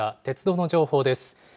鉄道の情報です。